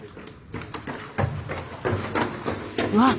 うわっ！